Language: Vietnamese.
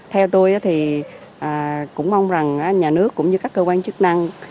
theo tôi thì cũng mong rằng nhà nước cũng như các cơ quan chức năng